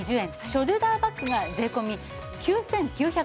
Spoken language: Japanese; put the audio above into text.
ショルダーバッグが税込９９００円。